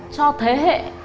cho thế hệ